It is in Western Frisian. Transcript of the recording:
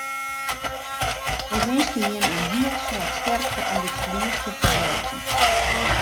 Ik winskje jimme in hiel soad sterkte om it ferlies te ferwurkjen.